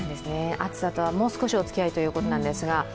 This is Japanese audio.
暑さとはもう少しおつきあいということですが。